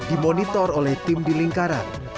dimonitor oleh tim di lingkaran